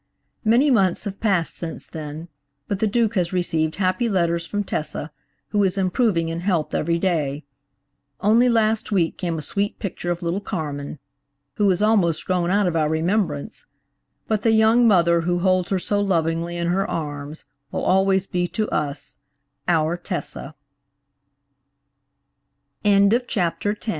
Many months have passed since then, but the Duke has received happy letters from Tessa, who is improving in health every day. Only last week came a sweet picture of little Carmen–who has almost grown out of our remembrance–but the young mother who holds her so lovingly in her arms will alw